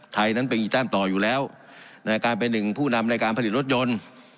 นั้นเป็นอีต้านต่ออยู่แล้วในการเป็นหนึ่งผู้นำในการผลิตรถยนต์